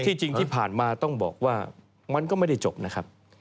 จริงที่ผ่านมาต้องบอกว่ามันก็ไม่ได้จบนะครับ